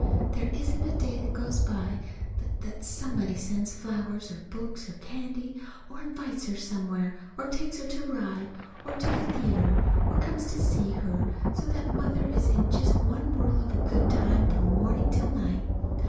There isn't a day goes by but that somebody sends flowers or books or candy, or invites her somewhere, or takes her to ride or to the theater, or comes to see her, so that Mother is in just one whirl of good times from morning till night.